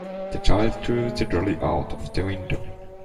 The child threw the dolly out of the window.